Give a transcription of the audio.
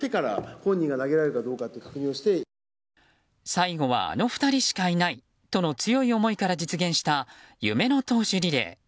最後はあの２人しかいないとの強い思いから実現した夢の投手リレー。